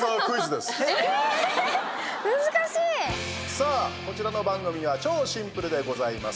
さあ、こちらの番組は超シンプルでございます。